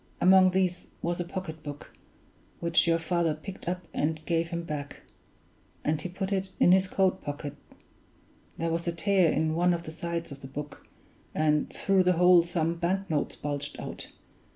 Among these was a pocketbook, which your father picked up and gave him back; and he put it in his coat pocket there was a tear in one of the sides of the book, and through the hole some bank notes bulged out.